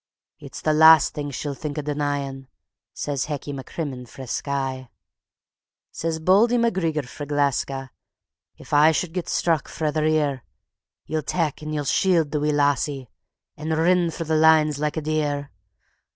..." "It's the last thing she'll think o' denyin'," says Hecky MacCrimmon frae Skye. Says Bauldy MacGreegor frae Gleska: "If I should get struck frae the rear, Ye'll tak' and ye'll shield the wee lassie, and rin for the lines like a deer.